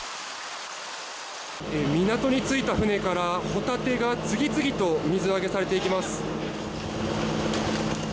港に着いた船からホタテが次々と水揚げされていきます。